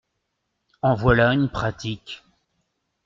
En voilà une pratique !…